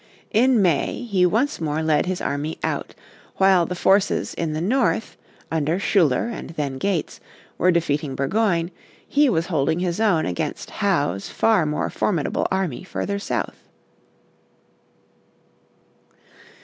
In May he once more led his army out, and while the forces in the north, under Schuyler and then Gates, were defeating Burgoyne, he was holding his own against Howe's far more formidable army further south.